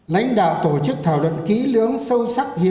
lãnh đạo tổ chức thảo luận ký lưỡng